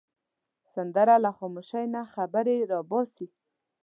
سندره له خاموشۍ نه خبرې را باسي